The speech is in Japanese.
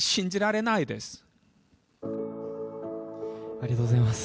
ありがとうございます。